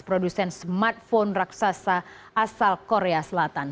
produsen smartphone raksasa asal korea selatan